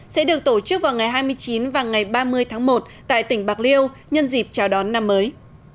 sẽ được tổ chức vào ngày hai mươi chín và ngày ba mươi tháng một tại tỉnh bạc liêu nhân dịp chào đón năm mới